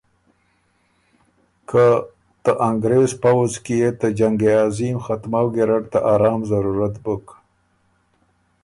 که ته انګرېز پؤځ کی يې ته جنګ عظیم ختمؤ ګیرډ ته ارام ضرورت بُک